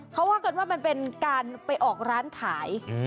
เขาว่ากันว่ามันเป็นการไปออกร้านขาย